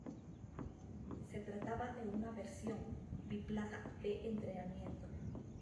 Se trataba de una versión biplaza de entrenamiento.